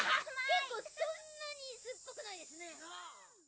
結構そんなに酸っぱくないですね！